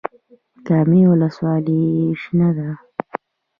کامې ولسوالۍ شنه ده؟